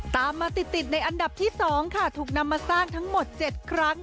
ตามมาติดในอันดับที่๒ค่ะถูกนำมาสร้างทั้งหมด๗ครั้ง